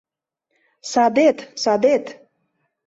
— Садет, садет!